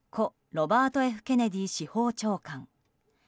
ロバート・Ｆ・ケネディ司法長官。